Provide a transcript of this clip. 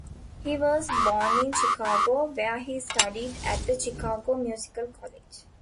He was born in Chicago, where he studied at the Chicago Musical College.